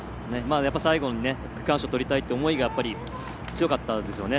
最後に、区間賞とりたいっていう思いが、強かったんでしょうね。